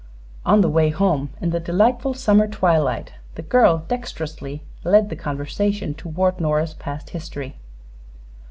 On the way home, in the delightful summer twilight, the girl dexterously led the conversation toward Nora's past history.